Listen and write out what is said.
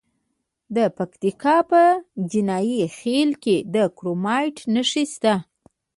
د پکتیکا په جاني خیل کې د کرومایټ نښې شته.